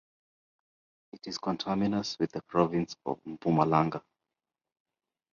It is conterminous with the province of Mpumalanga.